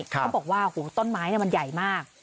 เขาบอกว่าต้นไม้มันใหญ่มาก